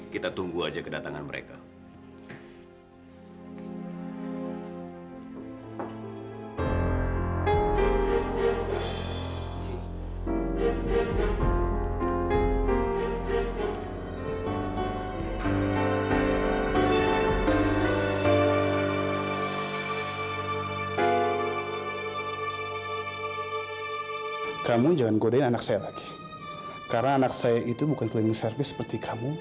kamu jangan godain anak saya lagi karena anak saya itu bukan klinik service seperti kamu